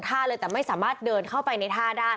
แต่ว่าไม่สามารถผ่านเข้าไปที่บริเวณถนน